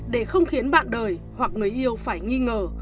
để không khiến bạn đời hoặc người yêu phải nghi ngờ